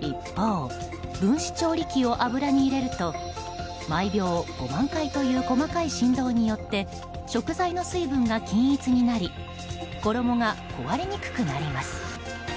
一方、分子調理器を油に入れると毎秒５万回という細かい振動によって食材の水分が均一になり衣が壊れにくくなります。